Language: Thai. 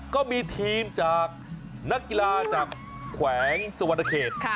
ก็มีทีมจากนักกีฬาจากแขวงสุวรรณเขต